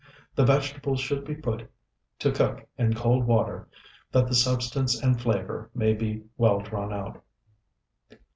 The vegetables should be put to cook in cold water that the substance and flavor may be well drawn out.